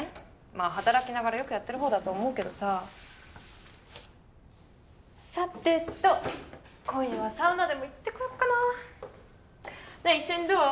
まあ働きながらよくやってる方だと思うけどささてと今夜はサウナでも行ってこよっかなねえ一緒にどう？